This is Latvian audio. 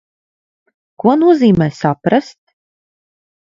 Ko nozīmē saprast?